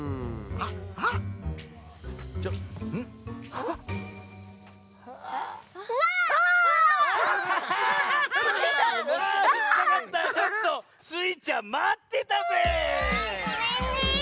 あごめんね！